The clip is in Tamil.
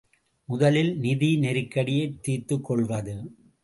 முதலில் நிதி நெருக்கடியைத் தீர்த்துக் கொள்வது.